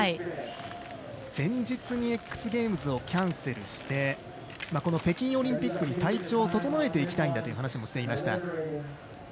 前日にＸＧＡＭＥＳをキャンセルしてこの北京オリンピックに体調を整えていきたいんだという話もしていました。